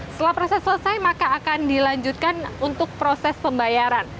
setelah proses selesai maka akan dilanjutkan untuk proses pembayaran